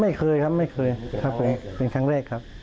ไม่เคยครับไม่เคยครับเป็นครั้งแรกครับ